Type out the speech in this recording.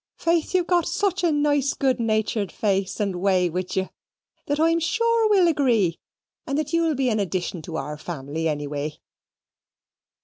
Faith, you've got such a nice good natured face and way widg you, that I'm sure we'll agree; and that you'll be an addition to our family anyway."